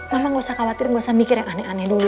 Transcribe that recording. mama gak usah khawatir nggak usah mikir yang aneh aneh dulu